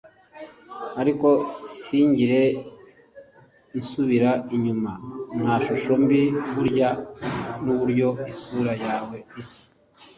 ariko sinigera nsubira inyuma nta shusho mbi; burya nuburyo isura yawe isa